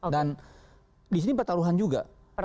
dan disini pertaruhan juga